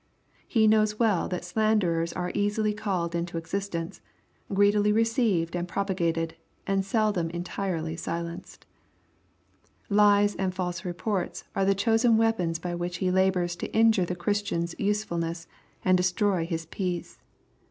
He knows well that slanders are easily called into existence, greedily received and propagated, and seldom entirely silenced. Lies and false reports are the chosen weapons by which he labors to injure the Christian's usefulness, and destroy his peace.